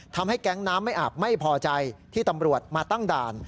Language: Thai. ทำให้แก๊งน้ำไม่อาบไม่พอใจที่ตำรวจมาตั้งด่าน